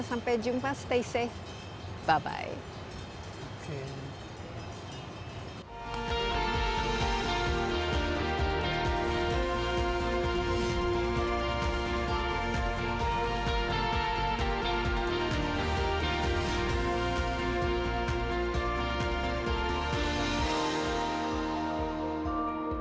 sampai jumpa stay safe bye bye